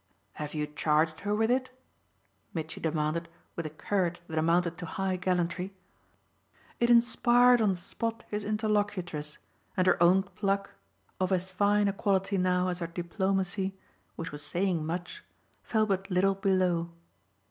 "Have you charged her with it?" Mitchy demanded with a courage that amounted to high gallantry. It inspired on the spot his interlocutress, and her own pluck, of as fine a quality now as her diplomacy, which was saying much, fell but little below.